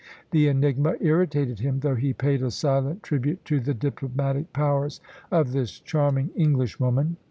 The enigma irritated him, though he paid a silent tribute to the diplomatic powers of this charming Englishwoman.